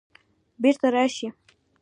بیرته راشئ